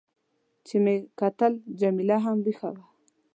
چې مې کتل، جميله هم وېښه وه.